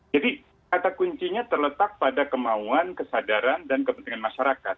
kata kuncinya terletak pada kemauan kesadaran dan kepentingan masyarakat